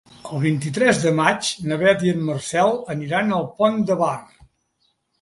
El vint-i-tres de maig na Beth i en Marcel aniran al Pont de Bar.